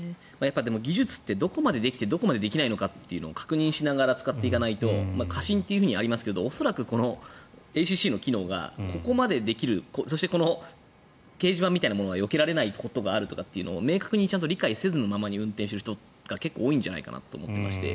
でも技術ってどこまでできてどこまでできないのかを確認しながら使っていかないと過信というふうにありますけど恐らく、ＡＣＣの機能がここまでできるそしてこの掲示板みたいなものがよけられないことがあるとかというのを明確に理解しないまま運転している人が結構多いのかなと思っていまして。